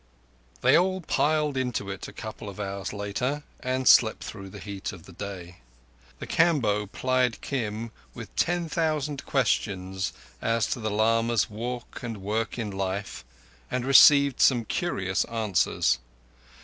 They all piled into it a couple of hours later, and slept through the heat of the day. The Kamboh plied Kim with ten thousand questions as to the lama's walk and work in life, and received some curious answers.